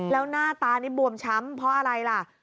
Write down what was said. แล้วหน้าตานี่บวมช้ำเพราะอะไรล่ะ